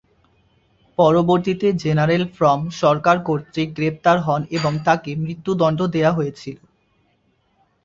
পরবর্তীতে জেনারেল ফ্রম সরকার কর্তৃক গ্রেপ্তার হন এবং তাকে মৃত্যুদন্ড দেয়া হয়েছিল।